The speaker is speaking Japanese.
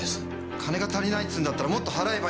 金が足りないっつうんだったらもっと払えばいいじゃん。